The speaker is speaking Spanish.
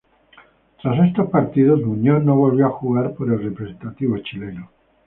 Tras estos partidos, Muñoz no volvió a jugar por el representativo chileno.